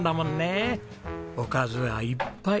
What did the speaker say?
おかずがいっぱい。